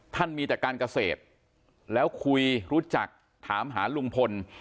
มีแต่การเกษตรแล้วคุยรู้จักถามหาลุงพล